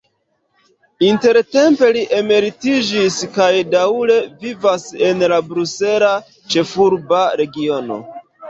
Intertempe li emeritiĝis kaj daŭre vivas en la Brusela Ĉefurba Regiono.